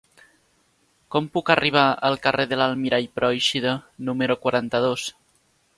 Com puc arribar al carrer de l'Almirall Pròixida número quaranta-dos?